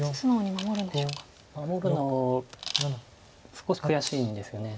守るの少し悔しいんですよね。